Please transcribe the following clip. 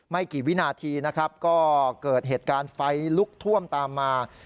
ไม่กี่วินาทีนะครับก็เกิดเหตุการณ์ไฟลุกท่วมตามมา